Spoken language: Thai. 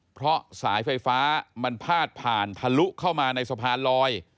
เพราะสายไฟฟ้ามันพาดผ่านทะลุเข้ามาในสะพานลอย